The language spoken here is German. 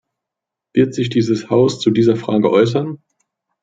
Wird sich dieses Haus zu dieser Frage äußern?